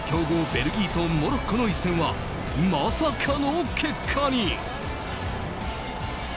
ベルギーとモロッコの一戦はまさかの結果に。